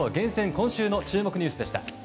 今週の注目ニュースでした。